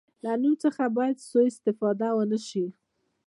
له نوم څخه باید سوء استفاده ونه شي.